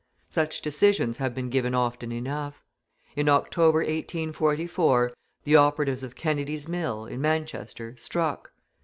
Such decisions have been given often enough. In October, 1844, the operatives of Kennedy's mill, in Manchester struck.